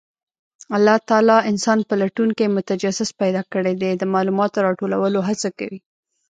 الله تعالی انسان پلټونکی او متجسس پیدا کړی دی، د معلوماتو راټولولو هڅه کوي.